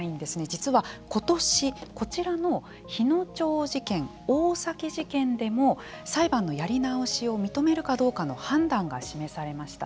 実は、今年こちらの日野町事件、大崎事件でも裁判のやり直しを認めるかどうかの判断が示されました。